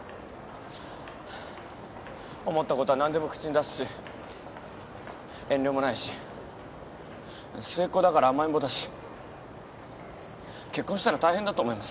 思ったことは何でも口に出すし遠慮もないし末っ子だから甘えん坊だし結婚したら大変だと思いますよ。